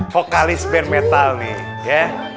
vokalis band metal nih ya